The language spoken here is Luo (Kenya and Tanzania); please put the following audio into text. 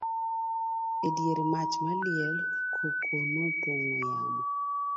e dier mach maliel, koko nopong'o yamo